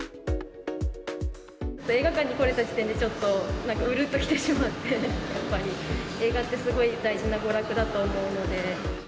映画館に来れた時点で、ちょっと、なんかうるっと来てしまって、やっぱり、映画ってすごい大事な娯楽だと思うので。